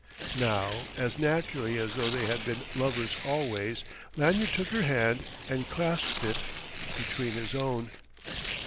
Now, as naturally as though they had been lovers always, Lanyard took her hand, and clasped it between his own.